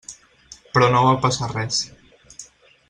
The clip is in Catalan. Però no va passar res.